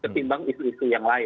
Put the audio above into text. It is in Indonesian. ketimbang isu isu yang lain